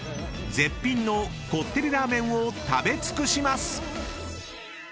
［絶品のこってりラーメンを食べ尽くします！］